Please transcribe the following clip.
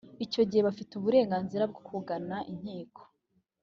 icyo gihe bafite uburenganzira bwo kugana inkiko